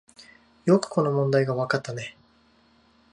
よくこの問題がわかったね